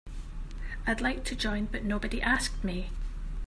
I'd like to join but nobody asked me.